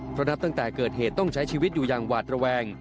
เพราะนับตั้งแต่เกิดเหตุต้องใช้ชีวิตอยู่อย่างหวาดระแวง